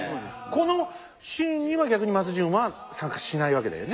このシーンには逆に松潤は参加しないわけだよね。